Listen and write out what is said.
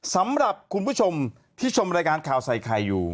สำหรับคุณผู้ชมที่ชมรายการข่าวใส่ไข่อยู่